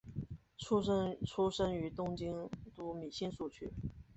出身于东京都新宿区。